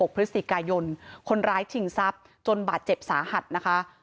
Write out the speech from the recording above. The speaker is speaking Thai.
พฤศจิกายนคนร้ายชิงทรัพย์จนบาดเจ็บสาหัสนะคะ